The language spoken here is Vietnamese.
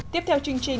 tiếp theo chương trình